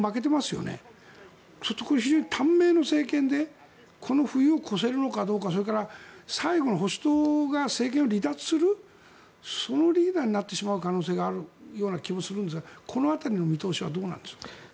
そうすると非常に短命の政権でこの冬を越せるのかどうかそれから最後の保守党が政権を離脱するそのリーダーになってしまう可能性があるような気もするんですがこの辺りの見通しはどうなんですか。